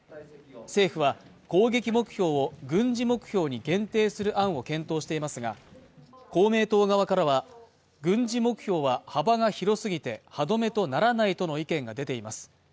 政府は攻撃目標を軍事目標に限定する案を検討していますが公明党側からは軍事目標は幅が広すぎて歯止めとならないとの意見が出ています